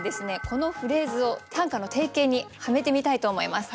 このフレーズを短歌の定型にはめてみたいと思います。